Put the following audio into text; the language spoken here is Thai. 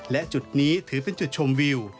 และจุดนี้ถือเป็นจุดชมวิว